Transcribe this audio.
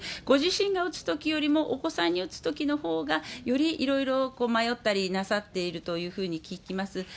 ご自身が打つときよりもお子さんに打つときのほうが、よりいろいろ迷ったりなさっているというふうに聞きます。